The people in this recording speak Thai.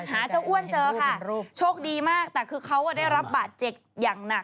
หาเจ้าอ้วนเจอค่ะโชคดีมากแต่คือเขาได้รับบาดเจ็บอย่างหนัก